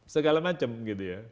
segala macam gitu ya